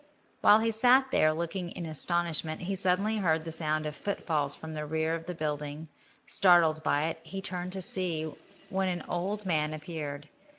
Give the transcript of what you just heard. While he sat there, looking in astonishment, he suddenly heard the sound of footfalls from the rear of the building. Startled by it, he turned to see, when an old man appeared.